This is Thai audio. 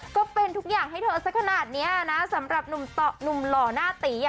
ก็เป็นทุกอย่างให้เถอะสักขนาดเนี้ยน้าสำหรับหนุ่มตระหนุ่มหล่อหน้าตี